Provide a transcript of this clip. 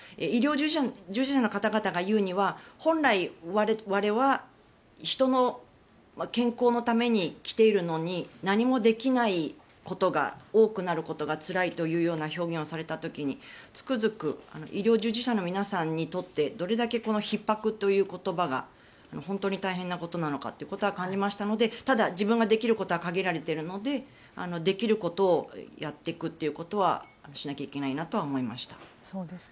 医療従事者の方々が言うには本来、我々は人の健康のために来ているのに何もできないことが多くなることがつらいという表現をされた時につくづく医療従事者の皆さんにとってどれだけひっ迫という言葉が本当に大変なことなのか感じましたのでただ、自分ができることは限られているので、できることをやっていくということはしなきゃいけないなとは思いました。